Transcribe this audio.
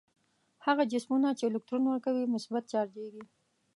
هغه جسمونه چې الکترون ورکوي مثبت چارجیږي.